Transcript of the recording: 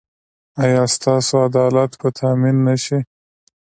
ایا ستاسو عدالت به تامین نه شي؟